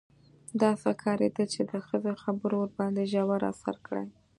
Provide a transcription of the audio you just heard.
داسې ښکارېده چې د ښځې خبرو ورباندې ژور اثر کړی.